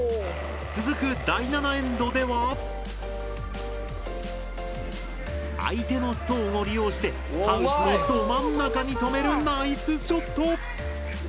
続く第７エンドでは相手のストーンを利用してハウスのど真ん中に止めるナイスショット！